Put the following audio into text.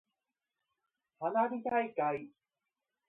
花火大会。